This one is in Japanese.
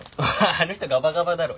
あの人ガバガバだろ。